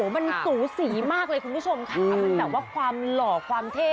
มันสูสีมากเลยคุณผู้ชมค่ะมันแบบว่าความหล่อความเท่